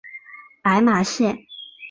白马线